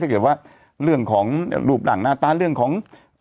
เกิดว่าเรื่องของรูปหลังหน้าตาเรื่องของ